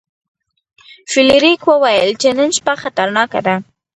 فلیریک وویل چې نن شپه خطرناکه ده.